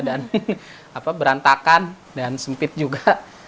dan berantakan dan sempit juga